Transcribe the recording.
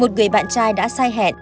một người bạn trai đã sai hẹn